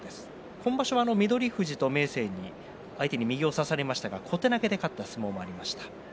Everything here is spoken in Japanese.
今場所、翠富士と明生相手に右を差されましたが小手投げで勝った相撲がありました。